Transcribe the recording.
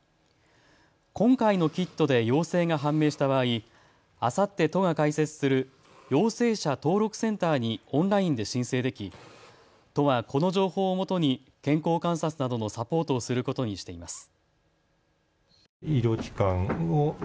今回のキットで陽性が判明した場合、あさって都が開設する陽性者登録センターにオンラインで申請でき都はこの情報をもとに健康観察などのサポートをすることにしています。